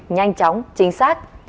nhanh chóng chính xác